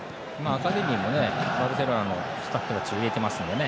アカデミーもバルセロナのスタッフたちを入れてますのでね。